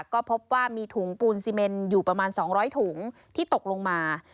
ก็พบว่ามีถุงปูนซีเมนอยู่ประมาณ๒๐๐ถุงที่ตกลงมา